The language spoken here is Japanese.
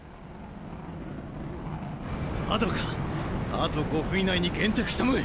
あと５分以内に現着したまえ！